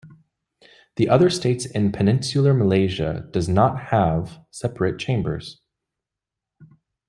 The other states in Peninsular Malaysia does not have separate chambers.